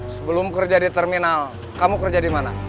sebelum kerja di terminal kamu kerja di mana